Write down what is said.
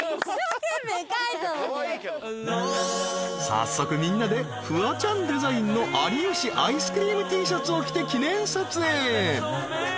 ［早速みんなでフワちゃんデザインの有吉アイスクリームＴシャツを着て記念撮影］